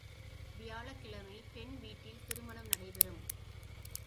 வியாழக்கிழமை பெண் வீட்டில் திரு மணம் நடைபெறும்.